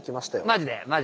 マジで？